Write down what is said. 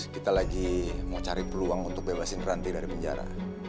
kita lagi mau cari peluang untuk bebasin ranti dari penjara